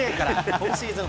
今シーズン